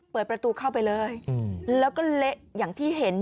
เปิดประตูเข้าไปเลยแล้วก็เละอย่างที่เห็น